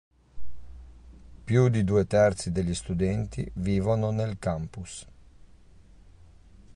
Più di due terzi degli studenti vivono nel campus.